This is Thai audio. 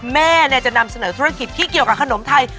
แม่จะนำเสนอธุรกิจที่เกี่ยวกับขนมไทย